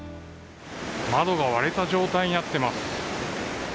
窓が割れた状態になってます。